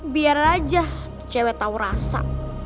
biar aja cewek tau rasa